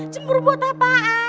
cemburu buat apaan